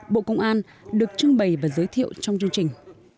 bộ công an được trưng bày và giới thiệu trong chương trình